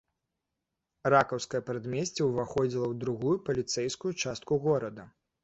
Ракаўскае прадмесце ўваходзіла ў другую паліцэйскую частку горада.